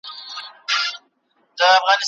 تاسو باید د پوهني په لاره کي هیڅ ونه سپموئ.